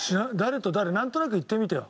なんとなく言ってみてよ